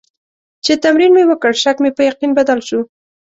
چې تمرین مې وکړ، شک مې په یقین بدل شو.